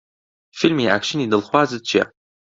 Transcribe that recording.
فیلمی ئاکشنی دڵخوازت چییە؟